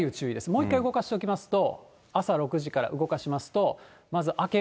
もう一回動かしておきますと、朝６時から動かしますと、まず明け